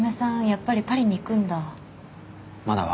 やっぱりパリに行くんだ。